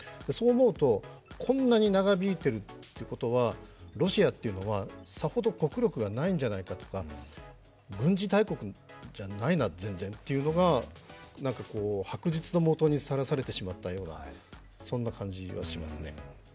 そう思うと、こんなに長引いていると言うことはロシアっていうのは、さほど国力がないんじゃないかとか、軍事大国じゃないな、全然っていうのが白日の下にさらされてしまったような感じがしますね。